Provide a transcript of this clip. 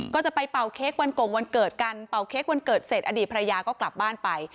ก็จะไปเป่าเค้กวันกงวันเกิดกันเป่าเค้กวันเกิดเสร็จอดีตภรรยาก็กลับบ้านไป